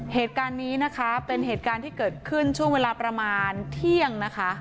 เหตุการณ์นี้นะคะเป็นเหตุการณ์ที่เกิดขึ้นช่วงเวลาประมาณเที่ยงนะคะ